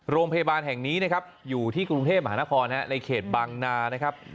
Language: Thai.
โรงพยาบาลแห่งนี้อยู่ที่กรุงเทพฯมหานพรในเขตบางนา